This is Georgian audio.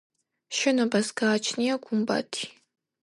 შენობას გააჩნია გუმბათი.